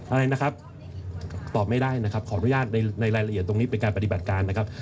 อะไรนะครับตอบไม่ได้นะครับขออนุญาตในรายละเอียดตรงนี้เป็นการปฏิบัติการนะครับ